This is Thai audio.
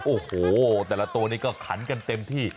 โอ้โหแต่ละตัวนี้ก็ขันกันเต็มที่